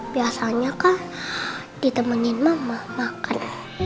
biasanya kan ditemenin mama makan